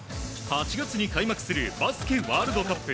８月に開幕するバスケワールドカップ。